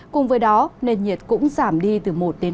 cùng với đó nền nhiệt cũng giảm đi từ một hai độ